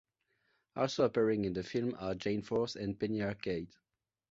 Also appearing in the film are Jane Forth and Penny Arcade.